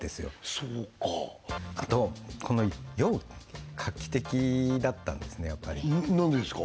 そうかあとこの容器画期的だったんですねやっぱりなんでですか？